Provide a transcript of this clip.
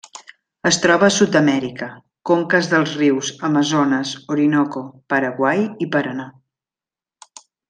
Es troba a Sud-amèrica: conques dels rius Amazones, Orinoco, Paraguai i Paranà.